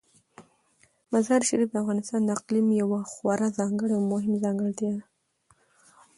مزارشریف د افغانستان د اقلیم یوه خورا ځانګړې او مهمه ځانګړتیا ده.